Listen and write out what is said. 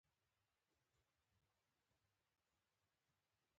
د تاریخ په اوږدو کې که وکتل شي! جنګونه تل